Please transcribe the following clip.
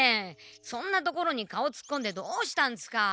そんな所に顔つっこんでどうしたんですか？